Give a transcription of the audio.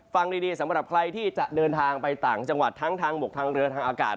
ฟังดีสำหรับใครที่จะเดินทางไปต่างจังหวัดทั้งทางบกทางเรือทางอากาศ